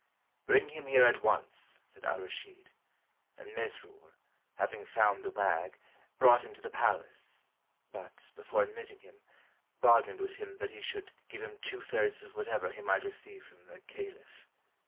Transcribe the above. "Bring him here at once," said Al Rashid; and Mesrur, having found the wag, brought him to the palace; but, before admitting him, bargained with him that he should give him two thirds of whatever he might receive from the caliph.